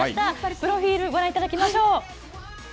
プロフィールご覧いただきましょう。